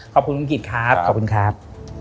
ขอบคุณคุณกิจครับขอบคุณครับ